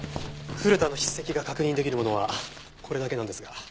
古田の筆跡が確認できるものはこれだけなんですが。